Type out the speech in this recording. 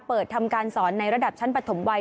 เปิดทำการสอนในระดับชั้นปฐมวัย